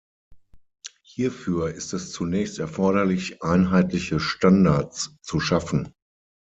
Hierfür ist es zunächst erforderlich, einheitliche Standards zu schaffen.